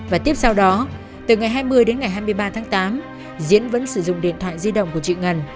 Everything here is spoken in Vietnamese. và tiếp sau đó từ ngày hai mươi đến ngày hai mươi ba tháng tám diễn vẫn sử dụng điện thoại di động của chị ngân